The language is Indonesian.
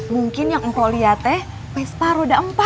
mungkin yang mpok liat teh vespa roda empat